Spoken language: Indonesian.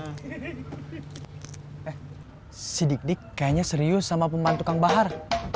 eh si dik dik kayaknya serius sama peman tukang bahar